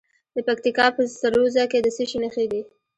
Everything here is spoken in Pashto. د پکتیکا په سروضه کې د څه شي نښې دي؟